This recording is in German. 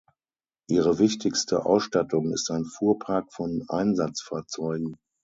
Ihre wichtigste Ausstattung ist ein Fuhrpark von Einsatzfahrzeugen.